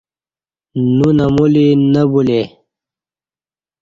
نونمولی نہ بُلہ ای